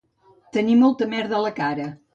Tenir molta merda a la cara